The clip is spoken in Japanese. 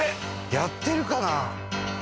やってるかな？